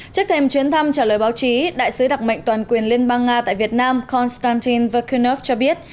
trước thêm chuyến thăm trả lời báo chí đại sứ đặc mệnh toàn quyền liên bang nga tại việt nam konstantin verkinov cho biết